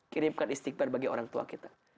kirimkan istighfar bagi orang tua kita